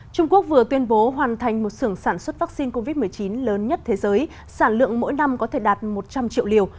trung quốc vừa tuyên bố hoàn thành một sưởng sản xuất vaccine covid một mươi chín lớn nhất thế giới sản lượng mỗi năm có thể đạt một trăm linh triệu liều